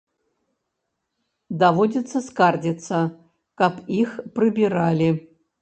Даводзіцца скардзіцца, каб іх прыбіралі.